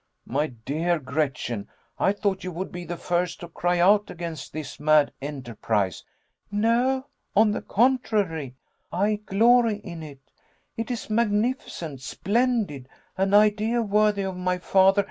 "My dear Gretchen, I thought you would be the first to cry out against this mad enterprise." "No; on the contrary, I glory in it. It is magnificent, splendid an idea worthy of my father.